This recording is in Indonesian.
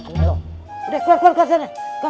udah keluar keluar keluar